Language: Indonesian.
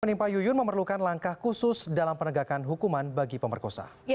menimpa yuyun memerlukan langkah khusus dalam penegakan hukuman bagi pemerkosa